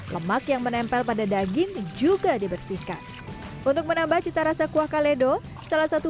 lemak yang menempel pada daging juga dibersihkan untuk menambah cita rasa kuah kaledo salah satu